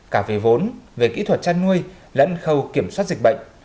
cả về vốn về kỹ thuật chăn nuôi lẫn khâu kiểm soát dịch bệnh